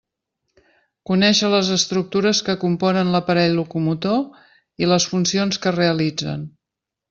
Conéixer les estructures que componen l'aparell locomotor i les funcions que realitzen.